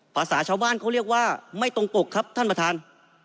ภาษาชาวบ้านเขาเรียกว่าไม่ตรงปกครับท่านประธาน